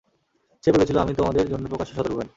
সে বলেছিল, আমি তোমাদের জন্য প্রকাশ্য সতর্ককারী।